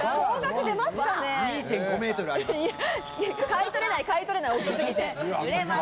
買い取れない買い取れない大き過ぎて。